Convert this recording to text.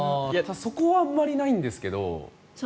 そこはあまりないんですけど。